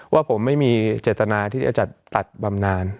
ว่าผมไม่มีเจตนาที่จะจัดตัดบำนาน